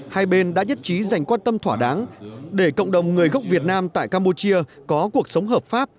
hai bên đã nhất trí dành quan tâm thỏa đáng để cộng đồng người gốc việt nam tại campuchia có cuộc sống hợp pháp